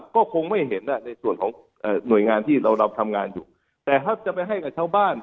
ก็คงไม่เห็นในส่วนของหน่วยงานที่เราทำงานอยู่แต่ถ้าจะไปให้กับชาวบ้าน